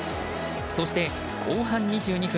そして後半２２分。